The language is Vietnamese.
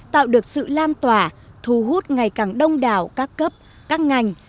tạo được sự lan tỏa thu hút ngày càng đông đảo các cấp các ngành